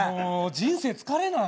人生疲れない？